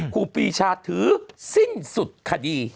ครูปีชาถือสิ้นสุดคดี